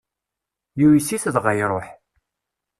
Yuyes-it dɣa iṛuḥ.